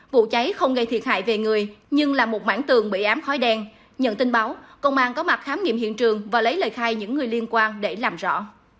vụ cháy không gây thiệt hại về người nhưng là một mảng tường bị ám khói đen nhận tin báo công an có mặt khám nghiệm hiện trường và lấy lời khai những người liên quan để làm rõ